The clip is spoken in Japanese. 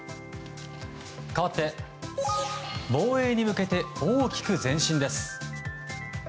かわって、防衛に向けて大きく前進です。